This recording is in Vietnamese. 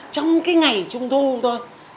trong cái ngày trung thu thôi